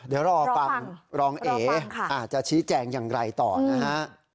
เดี๋ยวรอฟังรองเออาจจะชี้แจงอย่างไรต่อนะฮะ